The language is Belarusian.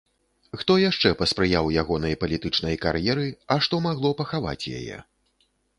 Хто яшчэ паспрыяў ягонай палітычнай кар'еры, а што магло пахаваць яе?